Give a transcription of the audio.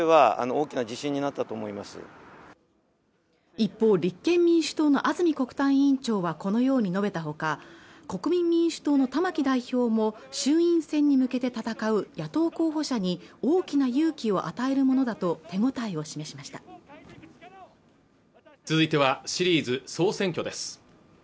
一方立憲民主党の安住国対委員長はこのように述べたほか国民民主党の玉木代表も衆院選に向けて戦う野党候補者に大きな勇気を与えるものだと手応えを示しました続いてはシリーズ「総選挙」です